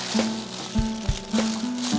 tapi ditemenin ya